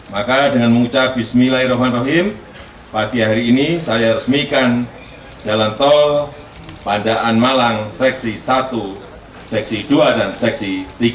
maka dengan mengucap bismillahirrahmanirrahim pagi hari ini saya resmikan jalan tol pandaan malang seksi satu seksi dua dan seksi tiga